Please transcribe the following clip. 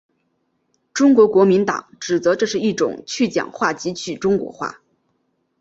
中国国民党指责这是一种去蒋化及去中国化。